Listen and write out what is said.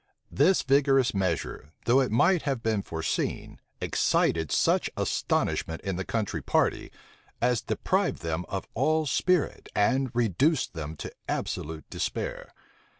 This vigorous measure, though it might have been foreseen, excited such astonishment in the country party, as deprived them of all spirit, and reduced them to absolute despair.